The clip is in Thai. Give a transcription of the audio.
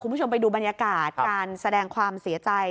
คุณผู้ชมไปดูบรรยากาศการแสดงความเสียใจ